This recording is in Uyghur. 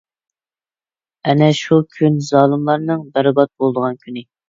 ئەنە شۇ كۈن زالىملارنىڭ بەربات بولىدىغان كۈنى!